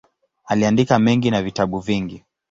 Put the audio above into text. Aliandika mengi na vitabu vingi.